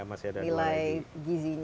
masih ada dua lagi